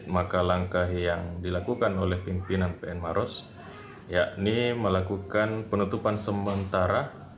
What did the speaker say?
maka langkah yang dilakukan oleh pimpinan pn maros yakni melakukan penutupan sementara